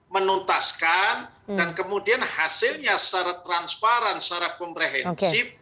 menuntaskan dan kemudian hasilnya secara transparan secara komprehensif